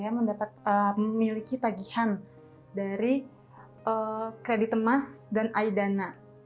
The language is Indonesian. yang menyatakan bahwa saya memiliki tagihan dari kredit emas dan aidana